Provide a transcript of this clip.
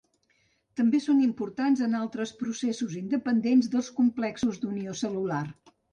També són importants en altres processos independents dels complexos d'unió cel·lular.